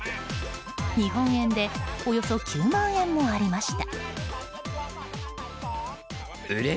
日本円でおよそ９万円もありました。